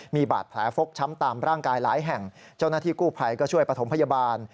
มีบาดแผลฟกช้ำตามร่างกายหลายแห่งเจ้าหน้าที่กู้ภัยก็ช่วยประถมพยาบาล